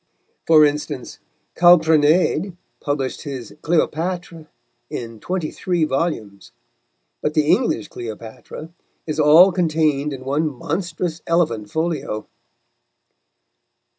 For instance, Calprenède published his Cléopatre in twenty three volumes; but the English Cleopatra is all contained in one monstrous elephant folio.